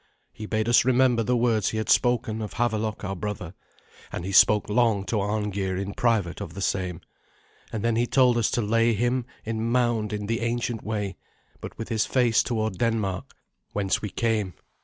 He bade us remember the words he had spoken of Havelok our brother, and he spoke long to Arngeir in private of the same; and then he told us to lay him in mound in the ancient way, but with his face toward Denmark, whence we came.